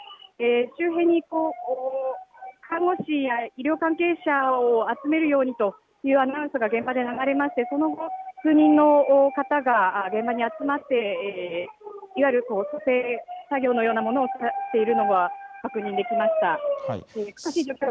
周辺に看護師や医療関係者を集めるようにというアナウンスが現場で流れまして、その後数人の方が現場に集まっていわゆる蘇生作業のようなものをしているのが確認できました。